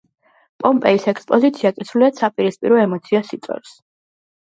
პომპეის ექსპოზიცია კი სრულიად საპირისპირო ემოციას იწვევს.